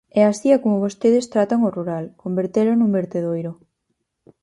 E así é como vostedes tratan o rural: convertelo nun vertedoiro.